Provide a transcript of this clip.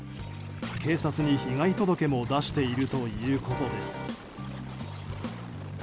警察に被害届も出しているということです。